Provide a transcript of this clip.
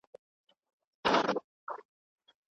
ميرويس خان نيکه د اوبو سیسټمونه څنګه جوړ کړل؟